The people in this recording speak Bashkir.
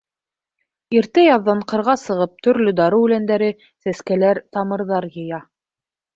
Иртә яҙҙан ҡырға сығып төрлө дарыу үләндәре, сәскәләр, тамырҙар йыя.